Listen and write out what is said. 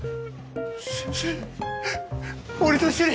先生俺と一緒に。